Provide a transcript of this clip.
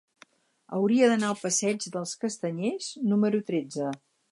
Hauria d'anar al passeig dels Castanyers número tretze.